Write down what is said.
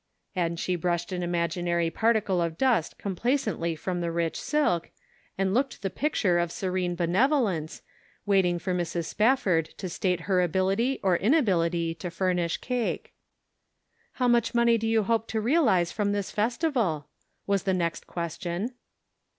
. And she brushed an imaginary particle of dust complacently from the rich silk, and looked the picture of serene benevolence, wait ing for Mrs. Spafford to state her ability or inability to furnish cake. " How much money do you hope to realize from this festival ?" was the next question.